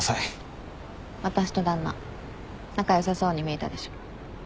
私と旦那仲良さそうに見えたでしょ。